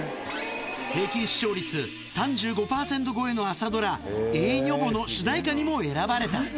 平均視聴率３５％超えの朝ドラ、ええにょぼの主題歌にも選ばれた。